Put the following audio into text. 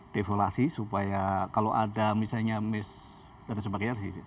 devolasi supaya kalau ada misalnya mis